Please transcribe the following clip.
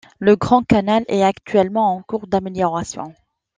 Le Grand canal est actuellement en cours d'amélioration.